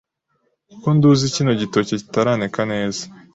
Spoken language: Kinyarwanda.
kuko nduzi kino gitoke kitaraneka neza